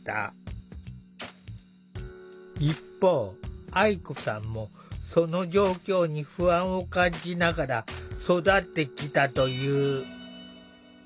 一方愛子さんもその状況に不安を感じながら育ってきたという。